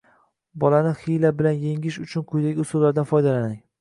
Bolani hiyla bilan yengish uchun quyidagi usullardan foydalaning: